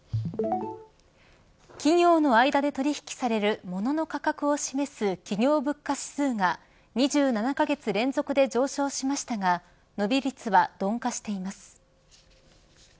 企業の間で取引される物の価格を示す企業物価指数が２７カ月連続で上昇しましたが伸び率は鈍化しています。